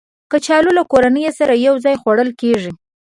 کچالو له کورنۍ سره یو ځای خوړل کېږي